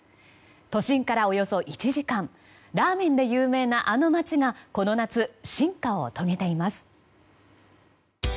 都心からおよそ１時間ラーメンで有名なあの街がこの夏、進化を遂げています。